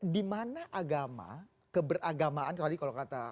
di mana agama keberagamaan tadi kalau kata habib haidar